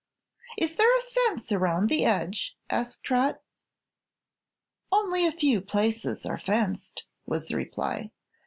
"Is there a fence around the edge?" asked Trot. "Only a few places are fenced," was the reply.